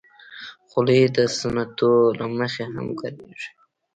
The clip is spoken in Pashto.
خولۍ د سنتو له مخې هم کارېږي.